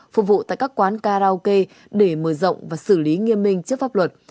phục vụ tại các quán karaoke để mở rộng và xử lý nghiêm minh trước pháp luật